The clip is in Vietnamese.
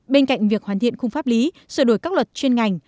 bên cạnh việc hoàn thiện khung pháp lý sửa đổi các luật chuyên ngành